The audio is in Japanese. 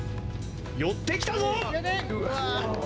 寄ってきたぞ。